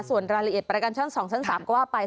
ส่วนรายละเอียดประกันชั้น๒ชั้น๓ก็ว่าไป